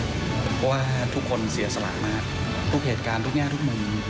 เพราะว่าทุกคนเสียสละมากทุกเหตุการณ์ทุกแง่ทุกมุม